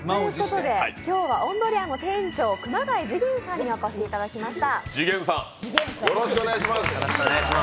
今日は音鶏家の店長熊谷次元さんにお越しいただきました。